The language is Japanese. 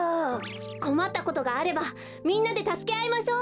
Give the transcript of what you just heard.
こまったことがあればみんなでたすけあいましょう。